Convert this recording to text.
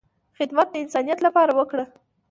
خدمت د انسانیت لپاره وکړه،